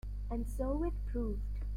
And so it proved.